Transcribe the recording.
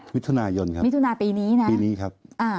วิทยุณายนครับ